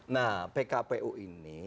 nah pkpu ini